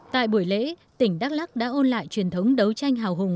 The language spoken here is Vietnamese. tại buổi lễ tỉnh đắk lắc đã ôn lại truyền thống đấu tranh hào hùng